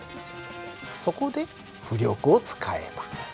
そこで浮力を使えば。